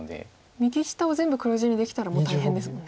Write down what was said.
右下を全部黒地にできたらもう大変ですもんね。